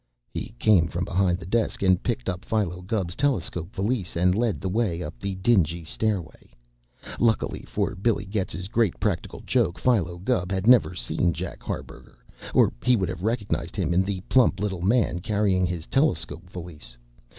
He came from behind the desk and picked up Philo Gubb's telescope valise and led the way up the dingy stairway. Luckily for Billy Getz's great practical joke, Philo Gubb had never seen Jack Harburger, or he would have recognized him in the plump little man carrying his telescope valise.